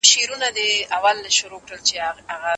د ذمیانو حقونه به تل خوندي وي.